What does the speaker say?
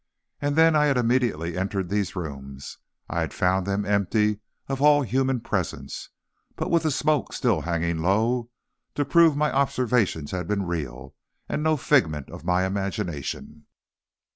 And then, I had immediately entered these rooms, and I had found them empty of all human presence, but with the smoke still hanging low, to prove my observations had been real, and no figment of my imagination.